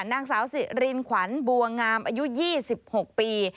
นางสาวสิรินขวัญบัวงามอายุ๒๖ปี